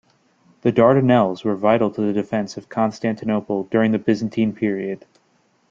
The Dardanelles were vital to the defence of Constantinople during the Byzantine period.